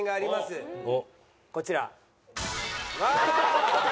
こちら。